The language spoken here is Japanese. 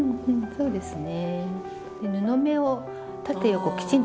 そうですね。